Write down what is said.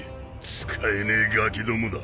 使えねえガキどもだ。